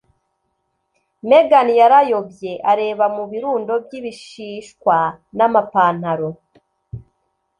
Megan yarayobye, areba mu birundo by'ibishishwa n'amapantaro.